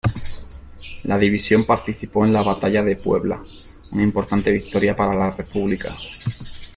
La división participó en la Batalla de Puebla, una importante victoria para la república.